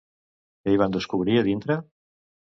Què hi van descobrir a dintre?